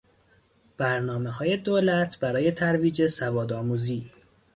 برنامه های دولت برای ترویج سواد آموزی